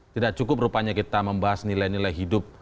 tidak cukup rupanya kita membahas nilai nilai hidup